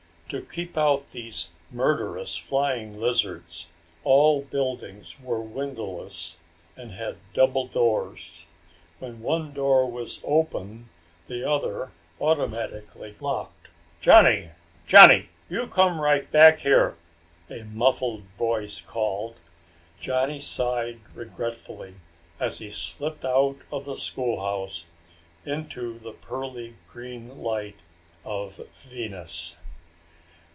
To keep out these murderous flying lizards, all buildings were windowless and had double doors. When one door was open the other automatically locked. "Johnny, Johnny! You come right back in here!" a muffled voice called. Johnny sighed regretfully as he slipped out of the schoolhouse into the pearly green light of Venus.